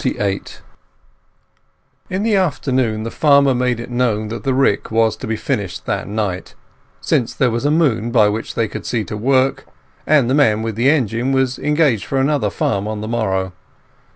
XLVIII In the afternoon the farmer made it known that the rick was to be finished that night, since there was a moon by which they could see to work, and the man with the engine was engaged for another farm on the morrow.